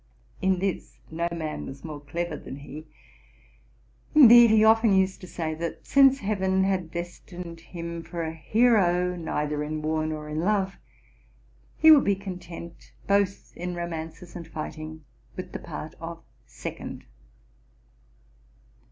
In this no man was more clever than he: indeed, he often used to say, that since heaven had destined him for a hero neither in war nor in love, he would be content, both in romances and fighting, with the part of second.